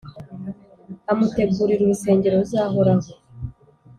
amutegurira urusengero ruzahoraho.